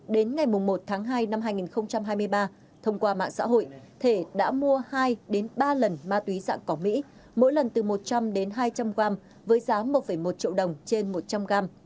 một nghìn chín trăm hai mươi hai đến ngày một tháng hai năm hai nghìn hai mươi ba thông qua mạng xã hội thể đã mua hai ba lần ma túy dạng cỏ mỹ mỗi lần từ một trăm linh hai trăm linh gram với giá một một triệu đồng trên một trăm linh gram